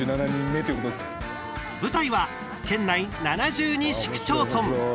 舞台は県内７２市区町村。